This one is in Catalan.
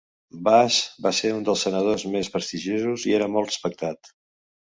Bas va ser un dels senadors més prestigiosos i era molt respectat.